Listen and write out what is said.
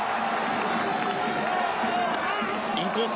インコース。